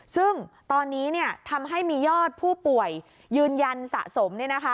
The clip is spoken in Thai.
ซึ่งตอนนี้ทำให้มียอดผู้ป่วยยืนยันสะสม